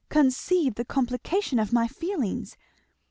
Conceive the complication of my feelings!